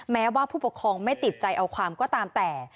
แม้ว่าผู้ปกครองไม่ติดใจเอาความก็ตามแต่